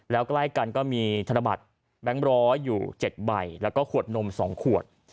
แล้วใกล้กันก็มีธนบัตรแบงค์ร้อยอยู่๗ใบแล้วก็ขวดนม๒ขวด